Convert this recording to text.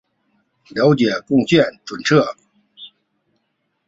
吕不韦在封地内铸行了文信圜钱。